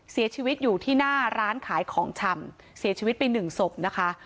เสียชีวิตอยู่ที่หน้าร้านขายของชำเสียชีวิตไปหนึ่งศพนะคะ